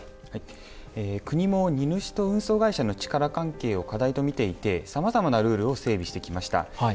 国も荷主と運送会社の力関係を課題とみていてさまざまなルールを整備してきました。